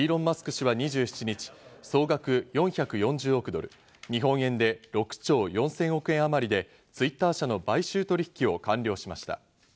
氏は２７日、総額４４０億ドル、日本円で６兆４０００億円あまりで、Ｔｗｉｔｔｅｒ社の買収取引を完了しました。